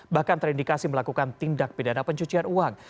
bahkan terindikasi melakukan tindak pidana pencucian uang